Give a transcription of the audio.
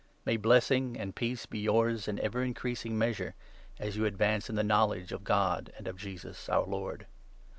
May blessing and peace be yours in ever increasing measure, 2 as you advance in the knowledge of God and of Jesus, our Lord.